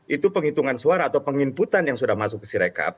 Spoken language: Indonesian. itu penghitungan suara atau penginputan yang sudah masuk ke sirekap